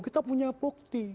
kita punya bukti